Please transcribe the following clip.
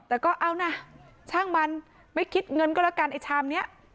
แต่ก็เอานะช่างมันไม่คิดเงินก็แล้วกันไอ้ชามนี้